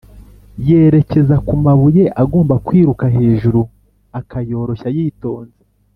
yerekeza kumabuye agomba kwiruka hejuru, akayoroshya yitonze.